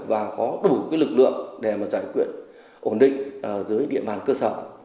và có đủ lực lượng để giải quyết ổn định dưới địa bàn cơ sở